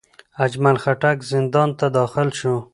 اجمل خټک زندان ته داخل شو.